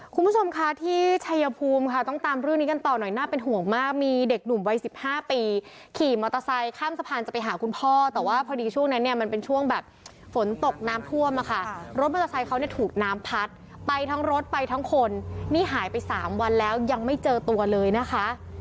คุณผู้ชมคะที่ชัยภูมิค่ะต้องตามเรื่องนี้กันต่อหน่อยน่าเป็นห่วงมากมีเด็กหนุ่มวัยสิบห้าปีขี่มอเตอร์ไซค์ข้ามสะพานจะไปหาคุณพ่อแต่ว่าพอดีช่วงนั้นเนี่ยมันเป็นช่วงแบบฝนตกน้ำท่วมอะค่ะรถมอเตอร์ไซค์เขาเนี่ยถูกน้ำพัดไปทั้งรถไปทั้งคนนี่หายไปสามวันแล้วยังไม่เจอตัวเลยนะคะ